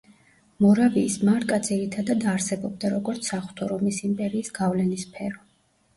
მორავიის მარკა ძირითადად არსებობდა, როგორც საღვთო რომის იმპერიის გავლენის სფერო.